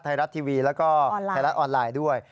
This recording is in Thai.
ไทยรัฐทีวีแล้วก็ไทยรัฐออนไลน์ด้วย